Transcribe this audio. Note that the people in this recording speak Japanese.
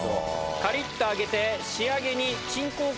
カリっと揚げて仕上げに。